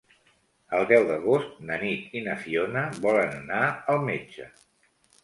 El deu d'agost na Nit i na Fiona volen anar al metge.